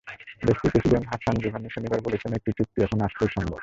দেশটির president Hassan Rouhani শনিবার বলেছেন, একটি চুক্তি এখন আসলেই সম্ভব।